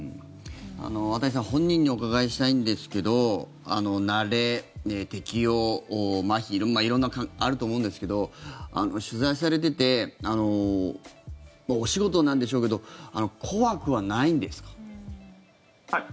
綿井さんご本人にお伺いしたいんですが慣れ、適応、まひ色々あると思うんですが取材されていてお仕事なんでしょうけど怖くはないんですか？